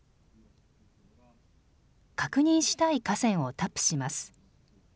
確認したい河川をタップします。